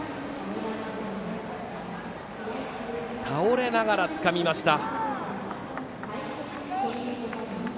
倒れながらつかみました。